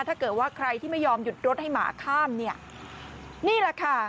ถ้าเกิดว่าใครที่ไม่ยอมหยุดรถให้หมาข้ามเนี่ยนี่แหละค่ะ